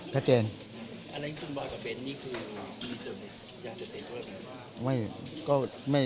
เจนอะไรที่คุณบ่อยกับเบนนี่คือมีส่วนอยากจะเตรียมเพิ่มไหม